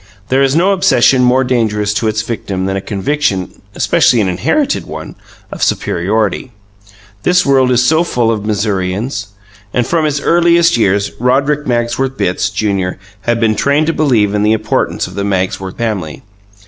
There is no obsession more dangerous to its victims than a conviction especially an inherited one of superiority: this world is so full of Missourians. And from his earliest years Roderick Magsworth Bitts, Junior, had been trained to believe in the importance of the Magsworth family.